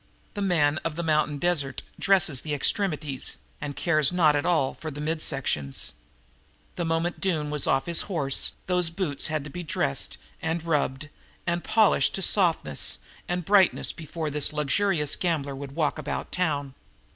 The man of the mountain desert dresses the extremities and cares not at all for the mid sections. The moment Doone was off his horse those boots had to be dressed and rubbed and polished to softness and brightness before this luxurious gambler would walk about town.